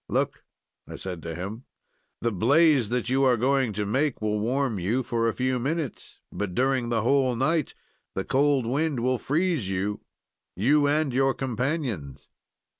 "'Look,' I said to him, 'the blaze that you are going to make will warm you for a few minutes, but, during the whole night the cold wind will freeze you you and your companions.